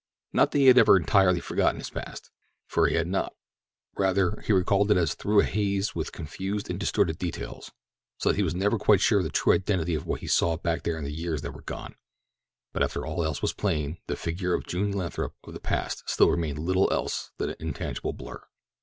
Not that he had ever entirely forgotten his past, for he had not. Rather, he recalled it as through a haze which confused and distorted details so that he was never quite sure of the true identity of what he saw back there in the years that were gone. But after all else was plain the figure of the June Lathrop of the past still remained little else than an intangible blur.